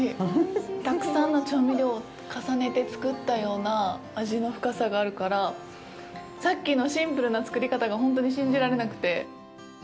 たくさんの調味料を重ねて作ったような味の深さがあるから、さっきのシンプルな作り方がほんとに信じられなくて。